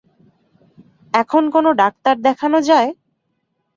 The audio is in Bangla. এখন কোন ডাক্তার দেখানো যায়?